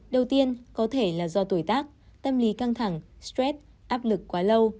đầu tiên có thể là do tuổi tác tâm lý căng thẳng stress áp lực quá lâu